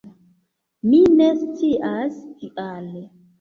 Mi ne scias kial.